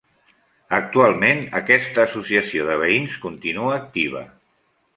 Actualment aquesta associació de veïns continua activa.